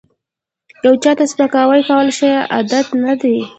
یو چاته سپکاوی کول ښه عادت نه دی